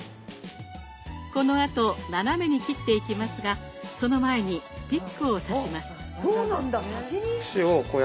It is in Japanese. このあと斜めに切っていきますがその前にピックを刺します。